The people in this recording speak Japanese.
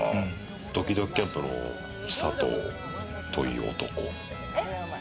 どきどきキャンプの佐藤という男。